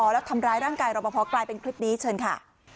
แล้วทำร้ายร่างกายรอปภกลายเป็นคลิปนี้เชิญค่ะ